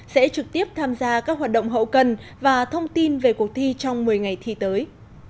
sẽ trực tiếp tham gia các hoạt động hậu cần và thông tin về cuộc thi trong một mươi ngày thi tới